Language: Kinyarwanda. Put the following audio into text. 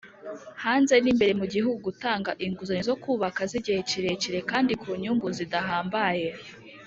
Hanze n imbere mu gihugu gutanga inguzanyo zo kubaka z igihe kirekire kandi ku nyungu zidahambaye